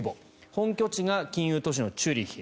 本拠地が金融都市のチューリヒ。